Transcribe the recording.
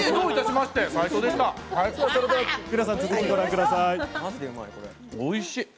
皆さん、続きご覧ください。